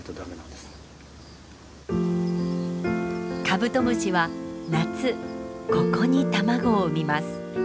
カブトムシは夏ここに卵を生みます。